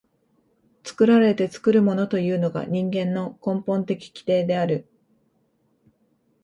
作られて作るものというのが人間の根本的規定である。